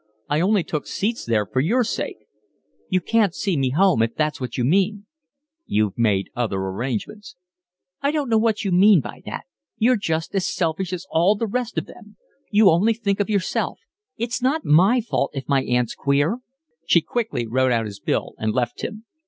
I only took seats there for your sake." "You can't see me home if that's what you mean?" "You've made other arrangements." "I don't know what you mean by that. You're just as selfish as all the rest of them. You only think of yourself. It's not my fault if my aunt's queer." She quickly wrote out his bill and left him.